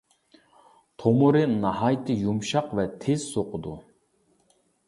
تومۇرى ناھايىتى يۇمشاق ۋە تىز سوقىدۇ.